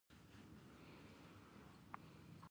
په دې پړاو کې د کار ځایونه په کارخانو بدلېږي